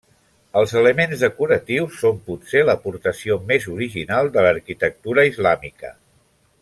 Els elements decoratius són potser l'aportació més original de l'arquitectura islàmica.